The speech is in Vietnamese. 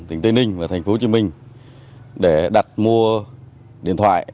tỉnh tây ninh và thành phố hồ chí minh để đặt mua điện thoại